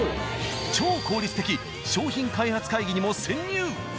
超効率的商品開発会議にも潜入。